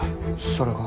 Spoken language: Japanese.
それが？